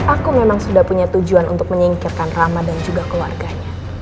aku memang sudah punya tujuan untuk menyingkirkan rama dan juga keluarganya